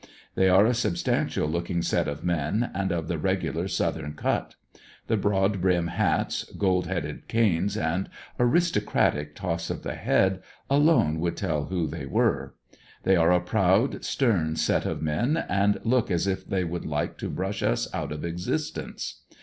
They are a substantial looking set of men and of the regular southern cut The broad brim hats, gold headed canes and aristocratic toss of the head, alone would tell who they were. They are a proud, stern set of men and look as if they would like to brush us out of existence.